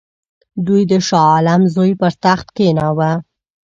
دوی د شاه عالم زوی پر تخت کښېناوه.